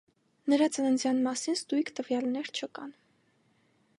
Նրա ծննդյան մասին ստույգ տվյալներ չկան։